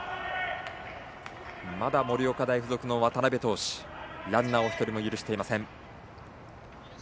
まだ盛岡大付属の渡邊投手ランナーを１人も許していません。